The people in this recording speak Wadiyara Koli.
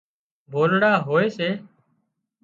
ڀولڙا هوئي سي